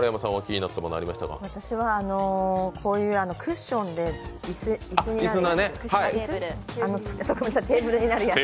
私はこういうクッションで椅子になるやつ。